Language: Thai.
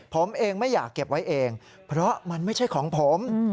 ผมเองไม่อยากเก็บไว้เองเพราะมันไม่ใช่ของผม